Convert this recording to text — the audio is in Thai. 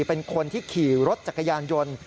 เป็นคนที่ขี่รถจักรยานยนต์